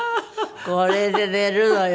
「これで寝るのよ」